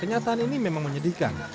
kenyataan ini memang menyedihkan